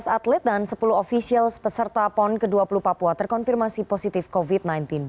tiga belas atlet dan sepuluh ofisial peserta pon ke dua puluh papua terkonfirmasi positif covid sembilan belas